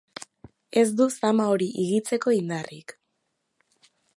Ez du zama hori higitzeko indarrik.